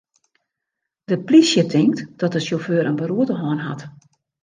De plysje tinkt dat de sjauffeur in beroerte hân hat.